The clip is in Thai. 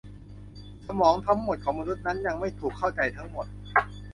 สมองทั้งหมดของมนุษย์นั้นยังไม่ถูกเข้าใจทั้งหมด